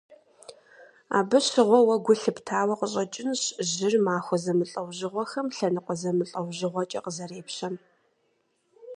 Абы щыгъуэ уэ гу лъыптауэ къыщӀэкӀынщ жьыр махуэ зэмылӀэужьыгъуэхэм лъэныкъуэ зэмылӀэужьыгъуэкӀэ къызэрепщэм.